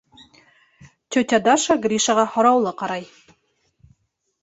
— Тетя Даша Гришаға һораулы ҡарай.